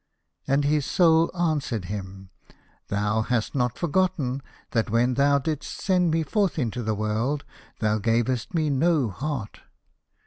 And his Soul answered him, " Thou hast not forgotten that when thou didst send me forth into the world thou gavest me no heart.